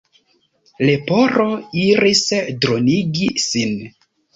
Leporo iris dronigi sin.